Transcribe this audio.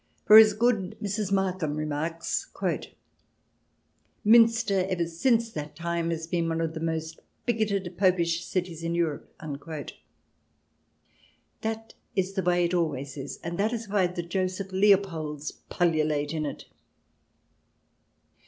For as good Mrs. Markham remarks :" Munster, ever since that time, has been one of the most bigoted popish cities in Europe." That is the way it always is, and that is why the Joseph Leopolds pullulate in it.